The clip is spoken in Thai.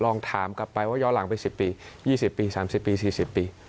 ลองถามกลับไปว่าย้อนหลังไป๑๐ปี๒๐ปี๓๐ปี๔๐ปี